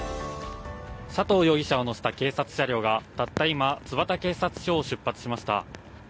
佐藤容疑者を乗せた警察車両がたった今、津幡警察署を出発しました。